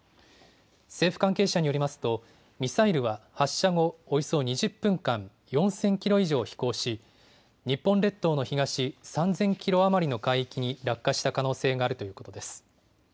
政府関係者によりますとミサイルは発射後およそ２０分間４０００キロ以上飛行し日本列島の東３０００キロ余りの海域に落下した可能性があるということです。